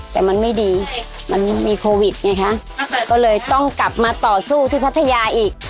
แต่มันไม่ดีมันมีโควิดไงคะก็เลยต้องกลับมาต่อสู้ที่พัทยาอีก